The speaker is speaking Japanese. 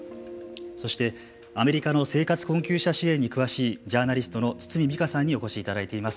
そして、アメリカの生活困窮者支援に詳しいジャーナリストの堤未果さんにお越しいただいています。